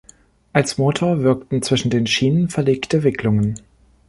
Als Motor wirkten zwischen den Schienen verlegte Wicklungen.